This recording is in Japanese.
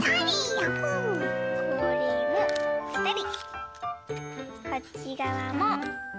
これをぺたり。